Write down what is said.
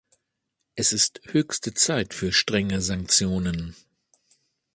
Es ist höchste Zeit für strenge Sanktionen.